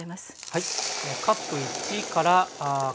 はい。